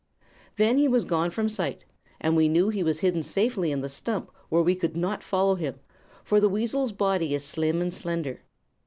"Then he was gone from sight, and we knew he was hidden safely in the stump, where we could not follow him, for the weasel's body is slim and slender.